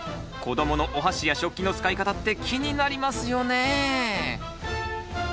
子どものおはしや食器の使い方って気になりますよねえ。